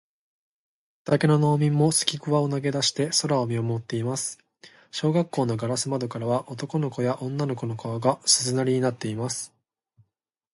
畑の農民もすきくわを投げだして空を見まもっています。小学校のガラス窓からは、男の子や女の子の顔が、鈴なりになっています。